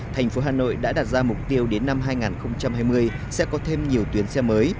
thành phố hà nội đã đặt ra mục tiêu đến năm hai nghìn hai mươi sẽ có thêm nhiều tuyến xe mới